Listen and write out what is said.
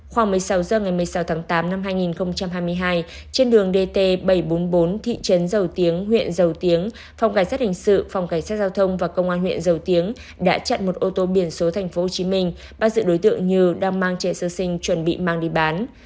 khoảng một mươi sáu giờ ngày một mươi sáu tháng tám năm hai nghìn hai mươi hai trên đường dt bảy trăm bốn mươi bốn thị trấn giàu tiếng huyện giàu tiếng phòng cảnh sát hình sự phòng cảnh sát giao thông và công an huyện giàu tiếng đã chặn một ô tô biển số thành phố hồ chí minh bắt giữ đối tượng như đang mang trẻ sơ sinh chuẩn bị mang đi bán